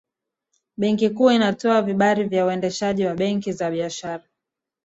benki kuu inatoa vibari vya uendeshaji wa benki za biashrara